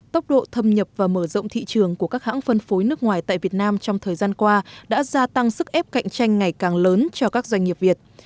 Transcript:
tốc độ thâm nhập và mở rộng thị trường của các hãng phân phối nước ngoài tại việt nam trong thời gian qua đã gia tăng sức ép cạnh tranh ngày càng lớn cho các doanh nghiệp việt